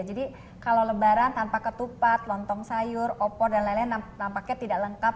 jadi kalau lebaran tanpa ketupat lontong sayur opor dan lain lain tampaknya tidak lengkap